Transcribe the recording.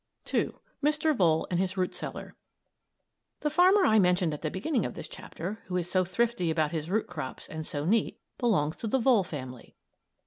II. MR. VOLE AND HIS ROOT CELLAR The farmer I mentioned at the beginning of this chapter, who is so thrifty about his root crops and so neat, belongs to the Vole family.